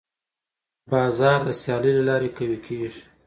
بازار د سیالۍ له لارې قوي کېږي.